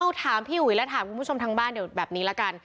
เอาถามพี่อุ๋ยแล้วถามคุณผู้ชมทางบ้านเดี๋ยวแบบนี้ละกัน